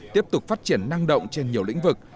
tiếp tục phát triển năng động trên nhiều lĩnh vực